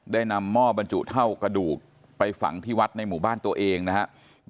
ได้นำหม้อบรรจุเท่ากระดูกไปฝังที่วัดในหมู่บ้านตัวเองนะครับ